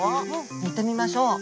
見てみましょう！